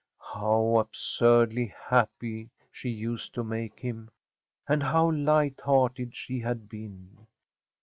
How absurdly happy she used to make him, and how light hearted she had been!